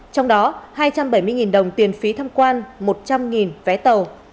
trong đó hai trăm bảy mươi đồng tiền phí tham quan một trăm linh vé tàu